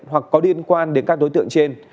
hoặc có liên quan đến các đối tượng trên